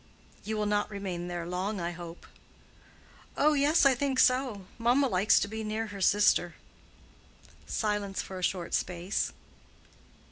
"You will not remain there long, I hope." "Oh, yes, I think so. Mamma likes to be near her sister." Silence for a short space.